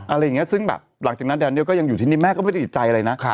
อะไรอย่างนี้ซึ่งแบบหลังจากนั้นแดเนียลก็ยังอยู่ที่นี่แม่ก็ไม่ได้ติดใจอะไรนะ